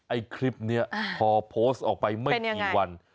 ไอ้คลิปนี้พอโพสต์ออกไปไม่กี่วัน